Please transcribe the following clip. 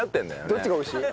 どっちが美味しい？